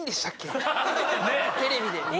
テレビで。